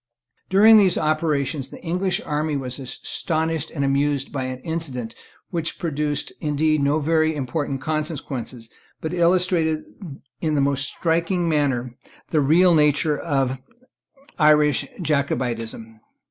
During these operations, the English army was astonished and amused by an incident, which produced indeed no very important consequences, but which illustrates in the most striking manner the real nature of Irish Jacobitism.